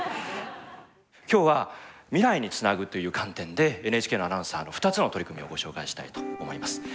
今日は未来につなぐという観点でＮＨＫのアナウンサーの２つの取り組みをご紹介したいと思います。